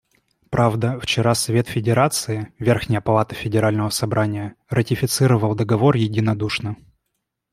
Правда, вчера Совет Федерации − верхняя палата Федерального Собрания − ратифицировал Договор единодушно.